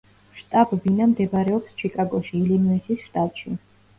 შტაბ-ბინა მდებარეობს ჩიკაგოში, ილინოისის შტატში.